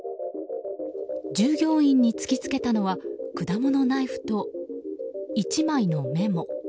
従業員に突き付けたのは果物ナイフと１枚のメモ。